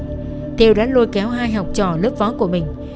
trịnh minh trung đã lôi kéo hai học trò lớp võ của mình